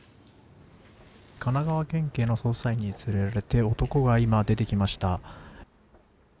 神奈川県警の捜査員に連れられて男が今、出てきました。